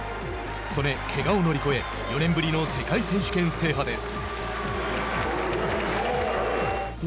素根、けがを乗り越え４年ぶりの世界選手権制覇です。